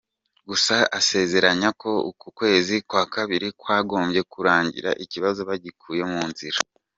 Gusa asezeranyo ko uku kwezi kwa Kabiri kwagombye kurangira ikibazo bagikuye mu nzira .